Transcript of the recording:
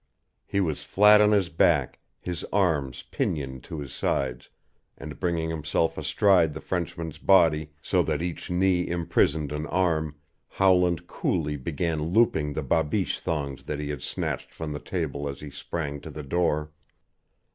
He was flat on his back, his arms pinioned to his sides, and bringing himself astride the Frenchman's body so that each knee imprisoned an arm Howland coolly began looping the babeesh thongs that he had snatched from the table as he sprang to the door.